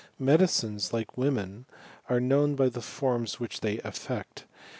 Medicines, like wo men, are known by the forms which they afifiM^t.